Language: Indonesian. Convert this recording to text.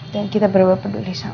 dan kita berubah peduli sama mama